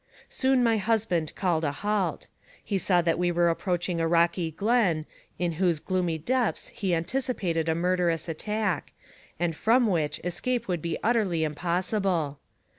Soon my husband called a halt. He saw that we were approaching a rocky glen, in whose gloomy depths he anticipated a murderous attack, and from which escape would be utterly impossible.